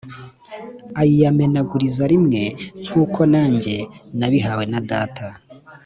ayiyamenagurize rimwe nk’uko nanjye nabihawe na Data.